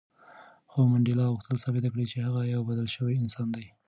خو منډېلا غوښتل ثابته کړي چې هغه یو بدل شوی انسان دی.